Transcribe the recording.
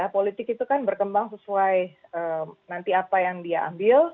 karena politik itu kan berkembang sesuai nanti apa yang dia ambil